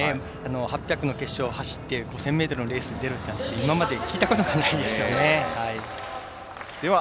８００の決勝を走って５０００ｍの決勝を走るというのは今まで聞いたことがありません。